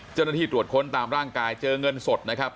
เจ้าหน้าที่ตรวจค้นตามร่างกายเจอเงินสดนะครับ